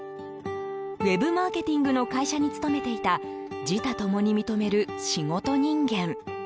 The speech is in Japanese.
ＷＥＢマーケティングの会社に勤めていた自他共に認める仕事人間。